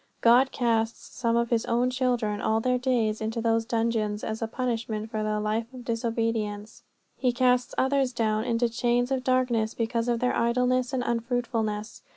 God casts some of His own children all their days into those dungeons as a punishment for their life of disobedience; He casts others down into chains of darkness because of their idleness and unfruitfulness.